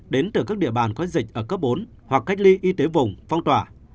đến từ các địa bàn có dịch ở cấp bốn hoặc cách ly y tế vùng phong tỏa